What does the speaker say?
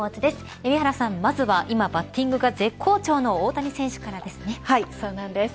海老原さん、まずは今バッティングが絶好調のそうなんです。